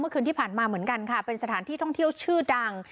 คืนที่ผ่านมาเหมือนกันค่ะเป็นสถานที่ท่องเที่ยวชื่อดัง